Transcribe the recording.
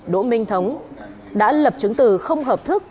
đỗ minh thống đã lập chứng từ không hợp thức